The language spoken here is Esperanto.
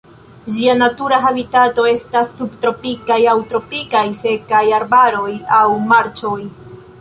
Ĝia natura habitato estas subtropikaj aŭ tropikaj sekaj arbaroj aŭ marĉoj.